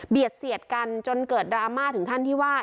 เสียดกันจนเกิดดราม่าถึงขั้นที่ว่า